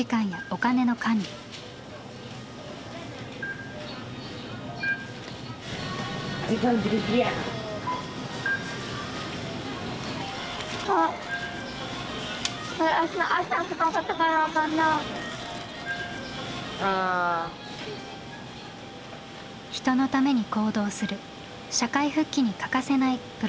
人のために行動する社会復帰に欠かせないプログラムです。